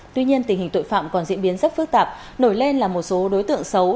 tuy nhiên tình hình tội phạm còn diễn biến rất phức tạp nổi lên là một số đối tượng xấu